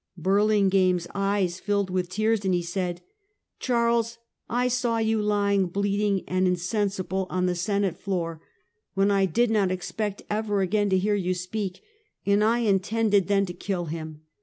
Burlingame's eyes filled with tears, and he said :'' Charles, I saw you lying bleeding and insensible on the Senate floor, when I did not expect ever again to hear yon speak; and I intended then to kill him.